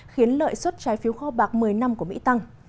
khiến lợi suất trái phiếu kho bạc một mươi năm của mỹ tăng